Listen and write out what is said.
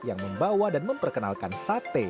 yang membawa dan memperkenalkan sate